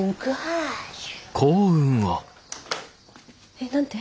えっ何て？